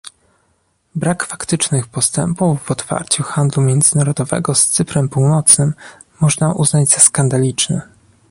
Brak faktycznych postępów w otwarciu handlu międzynarodowego z Cyprem Północnym można uznać za skandaliczny